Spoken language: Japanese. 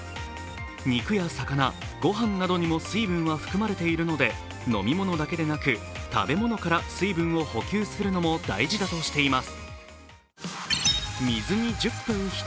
肉や魚、ご飯などにも水分は含まれているので飲み物だけでなく食べ物から水分を補給するのも大事だとしています。